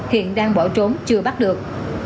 hiện đang bỏ trốn chưa bắt được